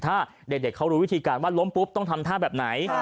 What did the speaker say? ถ้าเด็กเขารู้วิธีการว่าล้มปุ๊บต้องทำท่าแบบไหน